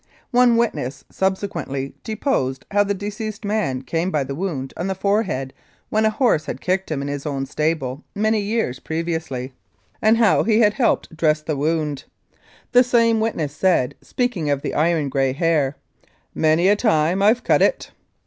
One witness subsequently deposed how the deceased man came by the wound on the forehead when a horse had kicked him in his own stable many years previously, and how 235 Mounted Police Life in Canada he had helped dress the wound. The same witness said, speaking of the iron grey hair, "Many a time I've cut it